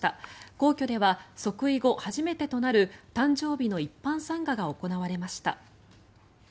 皇居では即位後初めてとなる誕生日の一般参賀が行われました。